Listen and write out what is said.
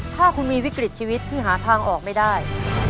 ถ้าคุณมีวิกฤตชีวิตที่หาทางออกไม่ได้